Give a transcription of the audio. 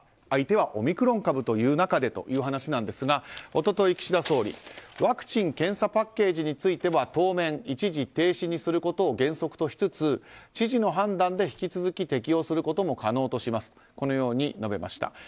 相手はオミクロン株という中でという話ですが一昨日、岸田総理ワクチン・検査パッケージについては当面、一時停止にすることを原則としつつ知事の判断で引き続き適用することも可能にするとこのように述べました。